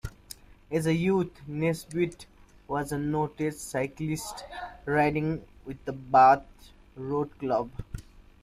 As a youth, Nesbitt was a noted cyclist, riding with the Bath Road Club.